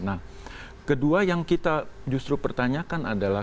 nah kedua yang kita justru pertanyakan adalah